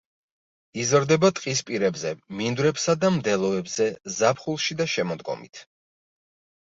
იზრდება ტყის პირებზე, მინდვრებსა და მდელოებზე ზაფხულში და შემოდგომით.